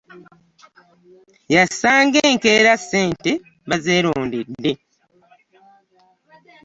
Yasanga enkeera ssente bazeerondedde.